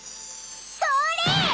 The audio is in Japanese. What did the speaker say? それ！